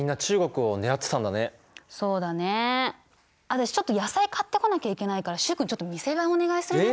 私ちょっと野菜買ってこなきゃいけないから習君ちょっと店番お願いするね。